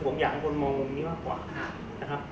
ผมอยากคนมองนี้มากกว่า